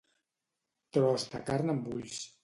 Tros de carn amb ulls.